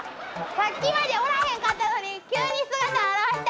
さっきまでおらへんかったのに急に姿現した。